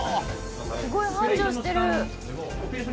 「すごい繁盛してる！」